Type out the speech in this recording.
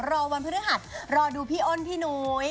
รอวันพฤหัสรอดูพี่อ้นพี่นุ้ย